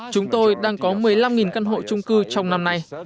chúng tôi đang có một mươi năm căn hộ trung cư trong năm nay